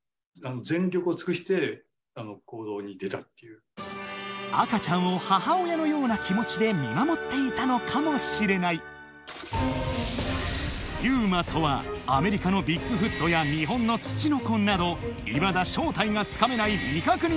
全力を尽くして行動に出たっていう赤ちゃんを母親のような気持ちで見守っていたのかもしれないＵＭＡとはアメリカのビッグフットや日本のツチノコなどいまだ正体がつかめない未確認